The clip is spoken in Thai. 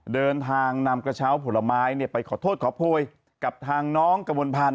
เดินทางนำกระเช้าผลไม้ไปขอโทษขอโพยกับทางน้องกระมวลพันธ